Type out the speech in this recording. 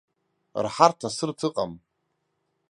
Рҳарҭа-сырҭа ыҟам.